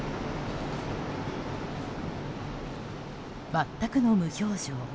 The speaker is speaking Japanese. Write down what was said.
全くの無表情。